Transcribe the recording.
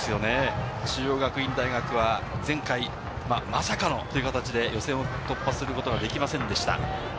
中央学院大学は前回、まさかのという形で予選を突破することができませんでした。